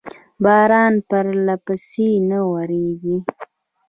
باران پرلپسې نه و اورېدلی.